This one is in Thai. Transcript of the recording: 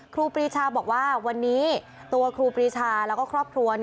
ครูปรีชาบอกว่าวันนี้ตัวครูปรีชาแล้วก็ครอบครัว